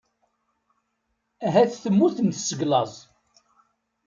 Ahat temmutemt seg laẓ.